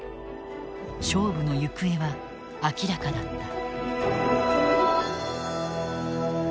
勝負の行方は明らかだった。